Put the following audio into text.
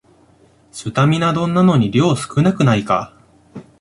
スタミナ丼なのに量少なくないか